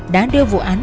đã đưa vụ án